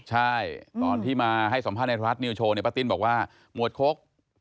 ใช่ตอนที่มาให้สัมภาษณ์ในรัฐนิวโชว์เนี่ยป้าติ้นบอกว่าหมวดคก